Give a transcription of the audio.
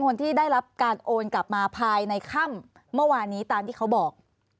คนที่ได้รับการโอนกลับมาภายในค่ำเมื่อวานนี้ตามที่เขาบอก